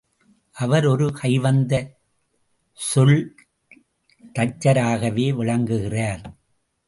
அவர் ஒரு கைவந்த சொல்தச்சராகவே விளங்குகிறார்.